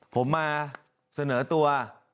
ผมมาเสนอตัว